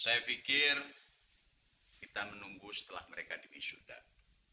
saya pikir kita menunggu setelah mereka dimisudah